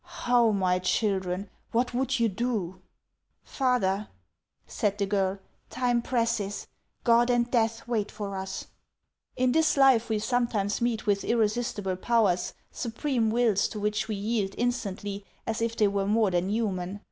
" How, my children ! What would you do ?"" Father," said the girl, " time presses. God and death wait for us." In this life we sometimes meet with irresistible powers, supreme wills to which we yield instantly as if they were more than human.